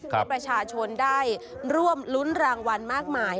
ให้ประชาชนได้ร่วมรุ้นรางวัลมากมาย